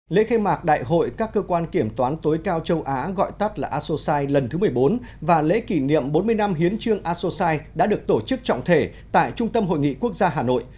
lễ khai mạc đại hội các cơ quan kiểm toán tối cao châu á gọi tắt là asosai lần thứ một mươi bốn và lễ kỷ niệm bốn mươi năm hiến trương asosai đã được tổ chức trọng thể tại trung tâm hội nghị quốc gia hà nội